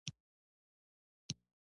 خور تل د پاکو جامو شوق لري.